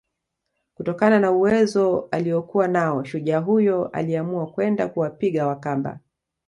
kutokana na uwezo aliokuwa nao shujaa huyo aliamua kwenda kuwapiga Wakamba